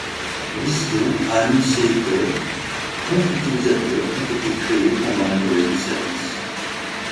Wizzgo a annoncé que comptes utilisateurs ont été créés pendant la durée du service.